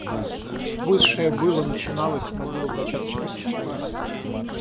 Высшее было, начиналось, но было в зачаточном состоянии.